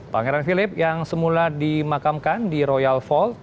pangeran philip yang semula dimakamkan di royal fall